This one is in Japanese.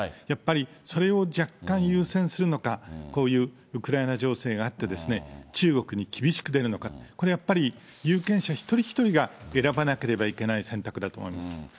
やっぱりそれを若干優先するのか、こういうウクライナ情勢があって、中国に厳しく出るのかって、これはやっぱり、有権者一人一人が選ばなければいけない選択だと思います。